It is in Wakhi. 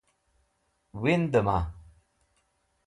Windẽma?